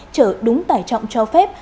chở đúng tài trọng cho phép